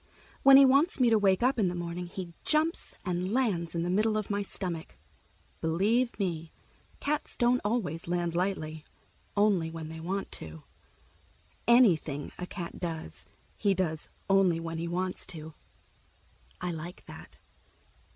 When he wants me to wake up in the morning, he jumps and lands in the middle of my stomach. Believe me, cats don't always land lightly—only when they want to. Anything a cat does, he does only when he wants to. I like that.